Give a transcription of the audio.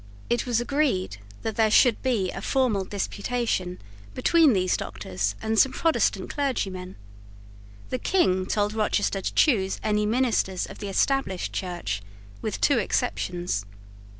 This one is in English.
It was agreed that there should be a formal disputation between these doctors and some Protestant clergymen. The King told Rochester to choose any ministers of the Established Church, with two exceptions.